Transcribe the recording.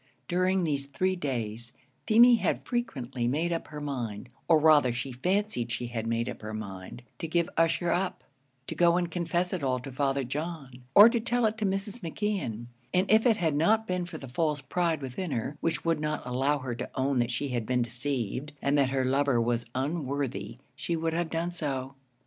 During these three days, Feemy had frequently made up her mind, or rather she fancied she had made up her mind to give Ussher up, to go and confess it all to Father John, or to tell it to Mrs. McKeon; and if it had not been for the false pride within her, which would not allow her to own that she had been deceived, and that her lover was unworthy, she would have done so.